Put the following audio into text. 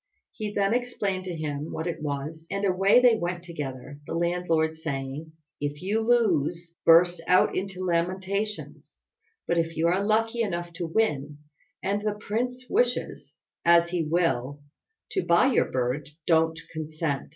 He then explained to him what it was, and away they went together, the landlord saying, "If you lose, burst out into lamentations; but if you are lucky enough to win, and the prince wishes, as he will, to buy your bird, don't consent.